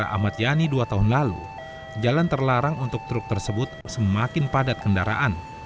ahmad yani dua tahun lalu jalan terlarang untuk truk tersebut semakin padat kendaraan